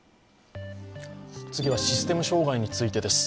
次はシステム障害についてです。